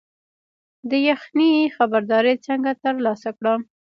د یخنۍ خبرداری څنګه ترلاسه کړم؟